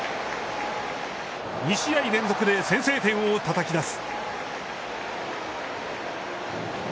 ２試合連続で先制点をたたき出す。